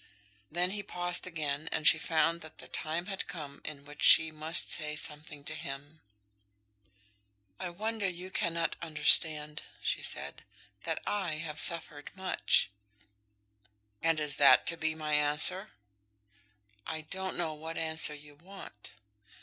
Then he paused again, and she found that the time had come in which she must say something to him. [Illustration: "I asked you for a kiss."] "I wonder you cannot understand," she said, "that I have suffered much." "And is that to be my answer?" "I don't know what answer you want."